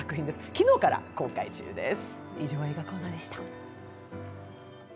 昨日から公開中です。